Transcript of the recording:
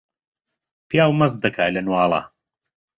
پیاو مەست دەکا لە نواڵە